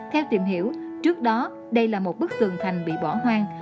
theo tìm hiểu trước đó đây là một bức tường thành bị bỏ hoang